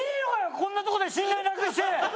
こんなとこで信頼なくして。